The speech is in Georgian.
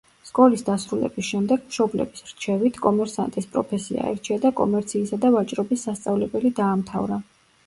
სკოლის დასრულების შემდეგ, მშობლების რჩევით, კომერსანტის პროფესია აირჩია და კომერციისა და ვაჭრობის სასწავლებელი დაამთავრა.